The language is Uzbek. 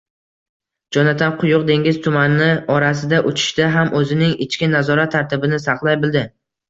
Jonatan quyuq dengiz tumani orasida uchishda ham o‘zining ichki nazorat tartibini saqlay bildi